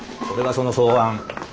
これがその草案。